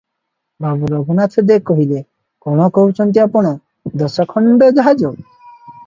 ବାବୁ ରଘୁନାଥ ଦେ କହିଲେ-କଣ କହୁଛନ୍ତି ଆପଣ ଦଶଖଣ୍ଡ ଜାହାଜ ।